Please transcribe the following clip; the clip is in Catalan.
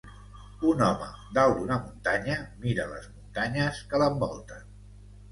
Un home dalt d'una muntanya mira les muntanyes que l'envolten.